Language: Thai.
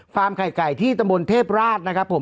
ไข่ไก่ที่ตำบลเทพราชนะครับผม